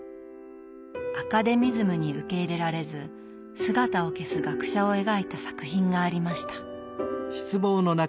アカデミズムに受け入れられず姿を消す学者を描いた作品がありました。